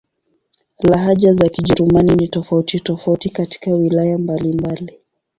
Lahaja za Kijerumani ni tofauti-tofauti katika wilaya mbalimbali.